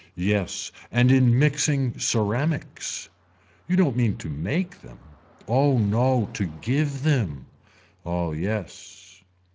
Yes. And in mixing ceramics. You don't mean to make them. Oh no to give them. Oh yes.